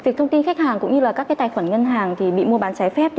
việc thông tin khách hàng cũng như các tài khoản ngân hàng bị mua bán trái phép